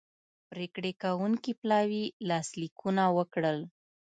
پریکړې کوونکي پلاوي لاسلیکونه وکړل